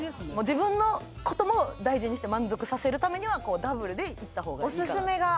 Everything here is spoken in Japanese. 自分のことも大事にして満足させるためにはダブルで行ったほうがいいかなと。